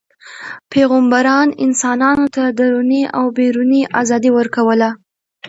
پیغمبران انسانانو ته دروني او بیروني ازادي ورکوله.